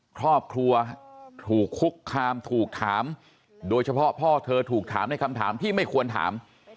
ครอบครัวถูกคุกคามถูกถามโดยเฉพาะพ่อเธอถูกถามในคำถามที่ไม่ควรถาม